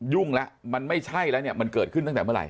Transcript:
ยุ่งแล้วมันไม่ใช่แล้วเนี่ยมันเกิดขึ้นตั้งแต่เมื่อไห